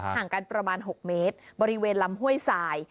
ห่างกันประมาณ๖เมตรบริเวณลำห้วยสาย